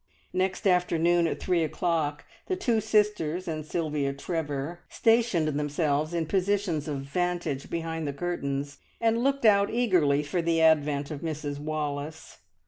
Next afternoon at three o'clock the two sisters and Sylvia Trevor stationed themselves in positions of vantage behind the curtains, and looked out eagerly for the advent of Mrs Wallace.